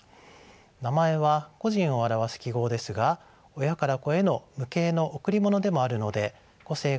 名前は個人を表す記号ですが親から子への無形の贈り物でもあるので個性があっても構いません。